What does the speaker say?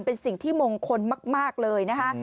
เป็นสิ่งที่มงคลมากเลยนะคะ